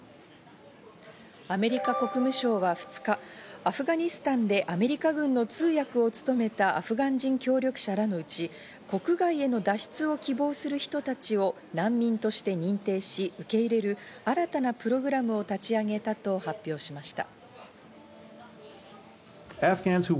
アメリカ国務省は２日、アフガニスタンでアメリカ軍の通訳を務めたアフガン人協力者らのうち、国外への脱出を希望する人たちを難民として認定し、受け入れる、新たなプログラムを立ち上げたと発表しました。